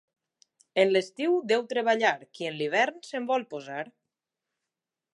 En l'estiu deu treballar qui en l'hivern se'n vol posar.